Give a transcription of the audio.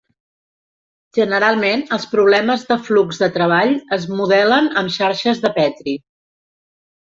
Generalment els problemes de flux de treball es modelen amb xarxes de Petri.